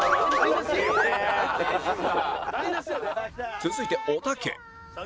続いておたけ